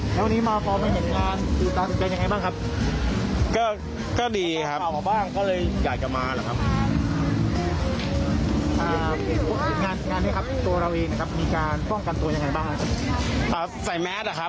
แล้ววันนี้มาพอมีเห็นงานดูตัวเป็นอย่างไรบ้างครับ